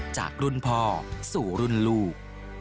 จากรุ่นพ่อสู่รุ่นลูก